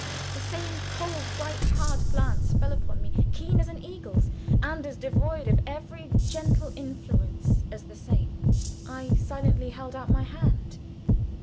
The same cold, bright, hard glance fell upon me, keen as an eagle's, and as devoid of every gentle influence as the same. I silently held out my hand.